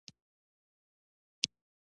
ژبه د یوه قوم ژوندی هویت دی